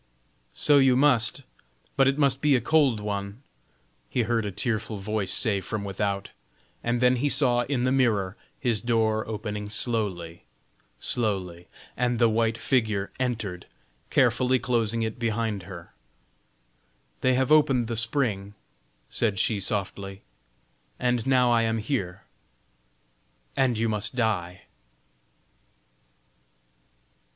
"So you must, but it must be a cold one!" he heard a tearful voice say from without, and then he saw in the mirror his door opening slowly slowly and the white figure entered, carefully closing it behind her. "They have opened the spring," said she softly, "and now I am here, and you must die."